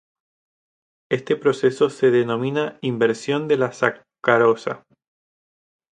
Este proceso se denomina inversión de la sacarosa.